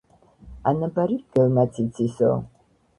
ანაბარი მგელმაც იცისო.